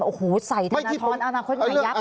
โอ้โหใส่ทนทนทรอนาคตหายักย์เลย